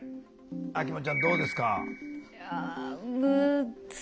秋元ちゃんどうですか？